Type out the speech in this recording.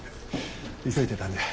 急いでたんで。